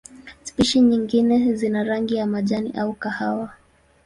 Spishi nyingine zina rangi ya majani au kahawa.